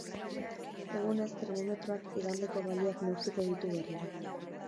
Egunez termometroak igandeko balioak neurtuko ditu berriro.